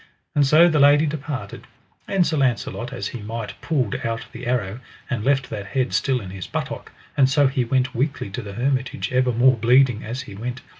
And so the lady departed, and Sir Launcelot as he might pulled out the arrow, and left that head still in his buttock, and so he went weakly to the hermitage ever more bleeding as he went.